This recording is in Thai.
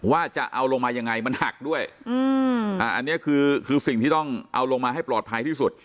ว่าจะเอาลงมายังไงมันหักด้วยอันนี้คือคือสิ่งที่ต้องเอาลงมาให้ปลอดภัยที่สุด